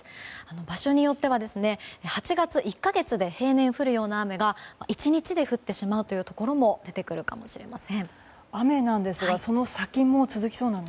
場所によっては８月１か月で平年降るような雨が１日で降ってしまうというところも出てくるかもしれません。